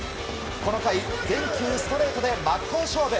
この回、全球ストレートで真っ向勝負！